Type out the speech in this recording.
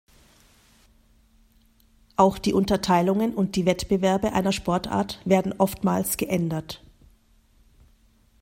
Auch die Unterteilungen und die Wettbewerbe einer Sportart werden oftmals geändert.